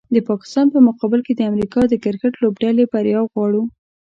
د پاکستان په مقابل کې د امریکا د کرکټ لوبډلې بریا غواړو